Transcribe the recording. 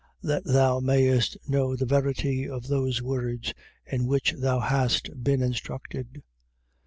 That thou mayest know the verity of those words in which thou hast been instructed.